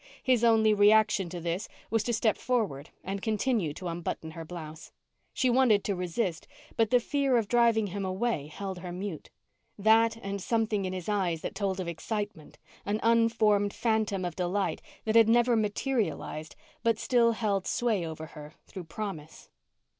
His only reaction to this was to step forward and continue to unbutton her blouse. She wanted to resist but the fear of driving him away held her mute; that and something in his eyes that told of excitement, an unformed phantom of delight that had never materialized but still held sway over her through promise.